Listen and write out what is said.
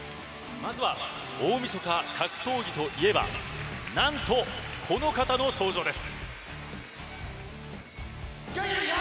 まずは大みそか格闘技といえば何と、この方の登場です。